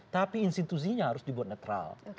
tapi institusinya harus dibuat netral